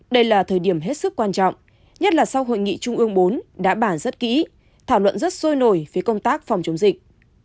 đây là thời điểm hết sức quan trọng nhất là sau hội nghị trung ương bốn đã bàn rất kỹ thảo luận rất sôi nổi phía công tác phòng chống dịch